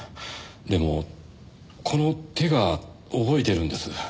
でもこの手が覚えてるんです。